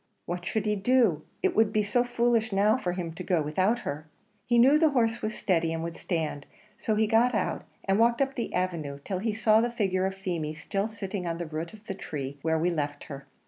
What should he do? It would be so foolish now for him to go without her! He knew the horse was steady and would stand; so he got out and walked up the avenue till he saw the figure of Feemy, still sitting on the root of the tree where we left her.